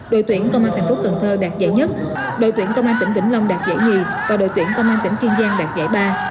đội tuyển công an thành phố cần thơ đạt giải nhất đội tuyển công an tỉnh vĩnh long đạt giải hai và đội tuyển công an tỉnh kiên giang đạt giải ba